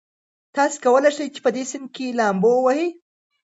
تاسي کولای شئ په دې سیند کې لامبو ووهئ.